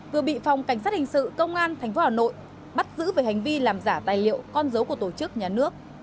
vừa bị phòng cảnh sát hình sự công an tp hà nội bắt giữ về hành vi làm giả tài liệu con dấu của tổ chức nhà nước